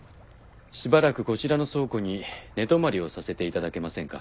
しばらくこちらの倉庫に寝泊まりをさせていただけませんか？